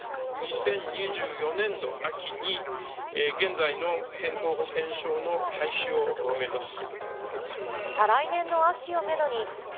２０２４年度秋に、現在の健康保険証の廃止を目指す。